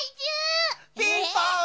ピンポン！